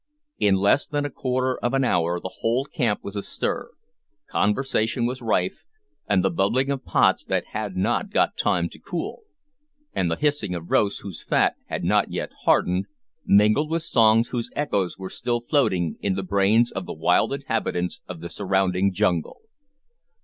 In less than a quarter of an hour the whole camp was astir, conversation was rife, and the bubbling of pots that had not got time to cool, and the hissing of roasts whose fat had not yet hardened, mingled with songs whose echoes were still floating in the brains of the wild inhabitants of the surrounding jungle.